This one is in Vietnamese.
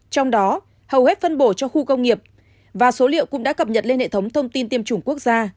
trong đó hầu hết phân bổ cho khu công nghiệp và số liệu cũng đã cập nhật lên hệ thống thông tin tiêm chủng quốc gia